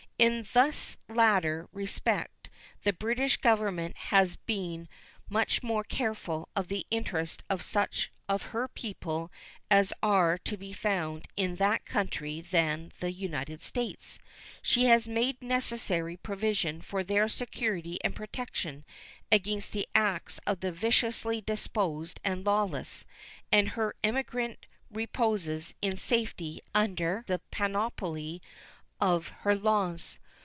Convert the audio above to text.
In this latter respect the British Government has been much more careful of the interests of such of her people as are to be found in that country than the United States. She has made necessary provision for their security and protection against the acts of the viciously disposed and lawless, and her emigrant reposes in safety under the panoply of her laws.